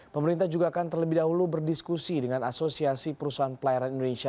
pemerintah juga akan terlebih dahulu berdiskusi dengan asosiasi perusahaan pelayaran indonesia